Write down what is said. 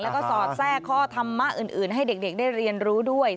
แล้วก็สอดแทรกข้อธรรมะอื่นให้เด็กได้เรียนรู้ด้วย